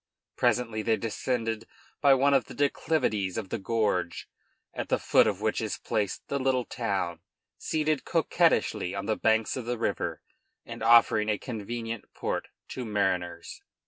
Presently they descended by one of the declivities of the gorge, at the foot of which is placed the little town, seated coquettishly on the banks of the river and offering a convenient port to mariners.